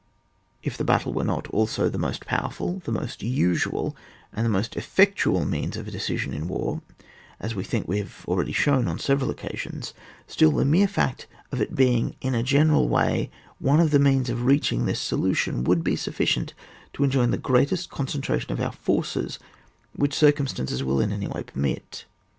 If the battle were not also the most powerful, the most usual and most ef fectual means of a decision in war, as we think we have already shown on several occasions, still the mere fact of its being in a general way one of the means of reaching this solution, would be sufficient to enjoin the greatest concentration of our forces which circumstances will in any way permit.